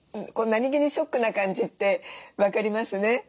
何気にショックな感じって分かりますね。